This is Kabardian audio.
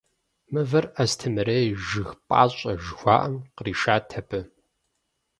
Мывэр «Астемырей жыг пӀащӀэ» жыхуаӀэм къришат абы.